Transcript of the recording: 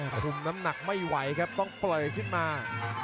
ทุ่มน้ำหนักไม่ไหวครับต้องปล่อยขึ้นมา